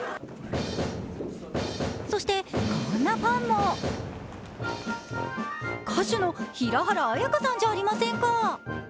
そして、こんなファンも歌手の平原綾香さんじゃありませんか。